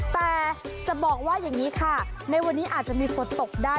แต่จะบอกว่าอย่างนี้ค่ะในวันนี้อาจจะมีฝนตกได้